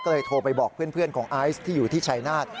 ก็เลยโทรไปบอกเพื่อนของไอซ์ที่อยู่ที่ชายนาฏ